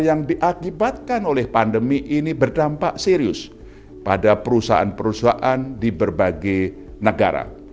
yang diakibatkan oleh pandemi ini berdampak serius pada perusahaan perusahaan di berbagai negara